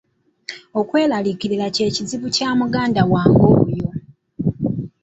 Okweraliikirira kye kizibu kya muganda wange oyo.